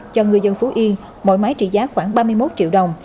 cho người dân phú yên mỗi máy trị giá khoảng ba mươi một triệu đồng